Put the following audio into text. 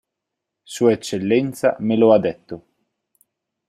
Sua Eccellenza me lo ha detto.